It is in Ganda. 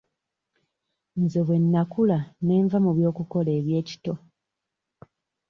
Nze bwe nnakula ne nva mu kukola eby'ekito.